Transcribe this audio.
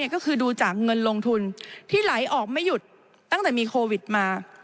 ก็คือดูจากเงินลงทุนที่ไหลออกไม่หยุดตั้งแต่มีโควิดมา